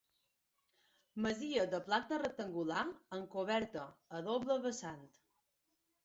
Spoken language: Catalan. Masia de planta rectangular amb coberta a doble vessant.